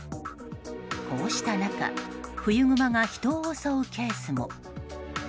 こうした中冬グマが人を襲うケースも。